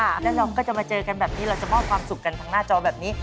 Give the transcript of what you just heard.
แล้วเราก็จะมาเจอกันแบบนี้เราจะมอบความสุขกันทางหน้าจอแบบนี้